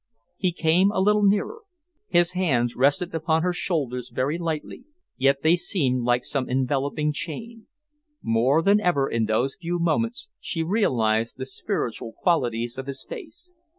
He came a little nearer. His hands rested upon her shoulders very lightly, yet they seemed like some enveloping chain. More than ever in those few moments she realised the spiritual qualities of his face.